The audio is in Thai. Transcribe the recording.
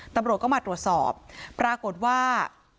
ตำรวจก็มาตรวจสอบปรากฏว่า